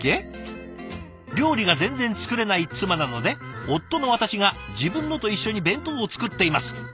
「料理が全然作れない妻なので夫の私が自分のと一緒に弁当を作っています。